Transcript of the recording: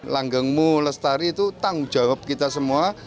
langgengmu lestari itu tanggung jawab kita semua